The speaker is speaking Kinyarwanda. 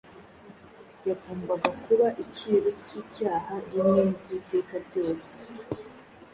yagombaga kuba icyiru cy’icyaha rimwe by’iteka ryose